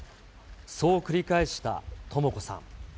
そう繰り返したとも子さん。